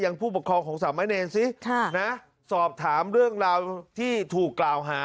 ผู้ปกครองของสามะเนรสินะสอบถามเรื่องราวที่ถูกกล่าวหา